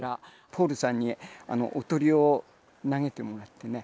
ポールさんにおとりを投げてもらってね